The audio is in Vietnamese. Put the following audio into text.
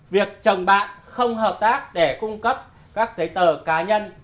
việc chồng bạn không hợp tác để cung cấp các giấy tờ cá nhân